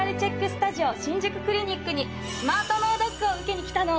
スタジオ新宿クリニックにスマート脳ドックを受けに来たの。